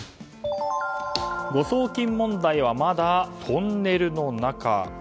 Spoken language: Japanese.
誤送金問題はまだトンネルの中。